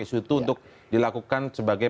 isu itu untuk dilakukan sebagai